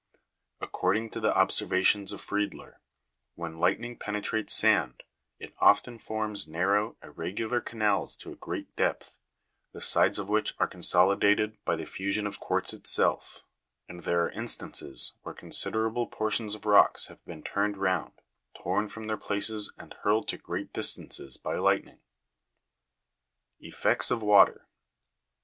According to the observa tions of Friedler, when lightning penetrates sand, it often forms narrow, irregular canals to a great depth, the sides of which are consolidated by the fusion of quartz itself; and there are instances where considerable portions of rocks have been turned round, torn from their places and hurled to great distances by lightning. 5. Effects of Water.